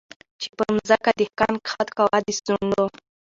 چي پر مځکه دهقان کښت کاوه د سونډو